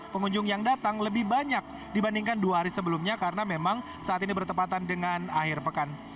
pengunjung yang datang lebih banyak dibandingkan dua hari sebelumnya karena memang saat ini bertepatan dengan akhir pekan